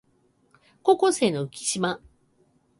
高校生の浮島